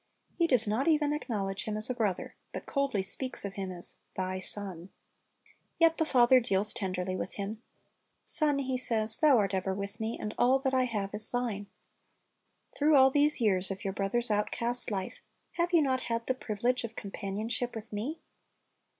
He does not even acknowledge him as a brother, but coldly speaks of him as "thy son." Yet the father deals tenderly with him. "Son," he says, "thou art ever with me, and all that I have is thine." Through all these years of your brother's outcast life, have you not had the privilege of companionship with me?